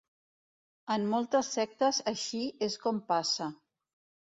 En moltes sectes així és com passa.